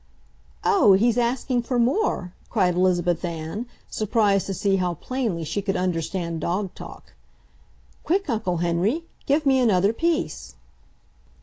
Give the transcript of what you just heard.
"Oh, he's asking for more!" cried Elizabeth Ann, surprised to see how plainly she could understand dog talk. "Quick, Uncle Henry, give me another piece!"